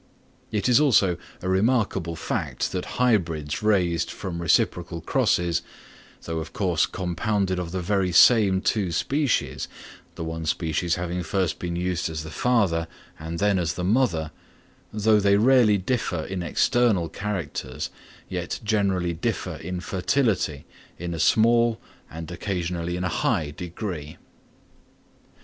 It is also a remarkable fact that hybrids raised from reciprocal crosses, though of course compounded of the very same two species, the one species having first been used as the father and then as the mother, though they rarely differ in external characters, yet generally differ in fertility in a small, and occasionally in a high degree.